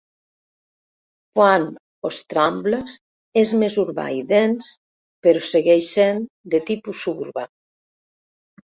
Pointe-aux-trembles és més urbà i dens, però segueix sent de tipus suburbà.